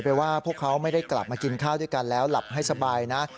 เพราะว่าพวกเขาไม่ได้กลับมากินข้าวด้วยกันแล้วหลับให้สบายนะ